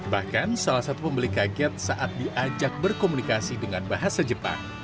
bahkan salah satu pembeli kaget saat diajak berkomunikasi dengan bahasa jepang